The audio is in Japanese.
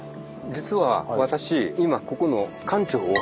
実は私今ここの館長を。